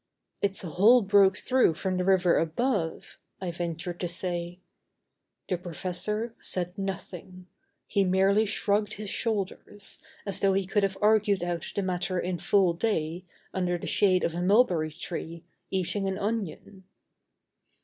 "It's a hole broke through from the river above," I ventured to say. The professor said nothing. He merely shrugged his shoulder, as though he could have argued out the matter in full day, under the shade of a mulberry tree, eating an onion.